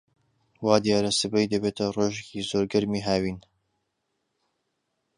وا دیارە سبەی دەبێتە ڕۆژێکی زۆر گەرمی هاوین.